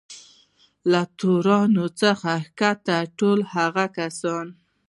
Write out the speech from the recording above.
له تورن څخه کښته ټول هغه کسان.